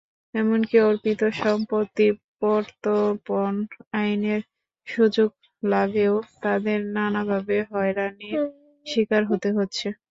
এমনকি অর্পিত সম্পত্তি প্রত্যর্পণ আইনের সুযোগলাভেও তাদের নানাভাবে হয়রানির শিকার হতে হচ্ছে।